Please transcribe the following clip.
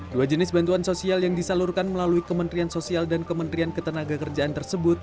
dua jenis bantuan sosial yang disalurkan melalui kementerian sosial dan kementerian ketenaga kerjaan tersebut